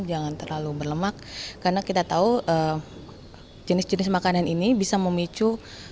jangan terlalu berlemak karena kita tahu jenis jenis makanan ini bisa memicu